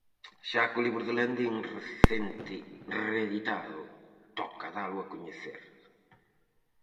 Xa co libro de Landín recente reeditado, toca dalo a coñecer.